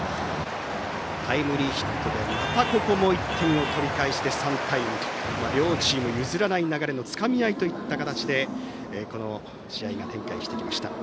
タイムリーヒットでまたここも１点を取り返して３対２と両チーム譲らない流れのつかみ合いといった形でこの試合は展開してきました。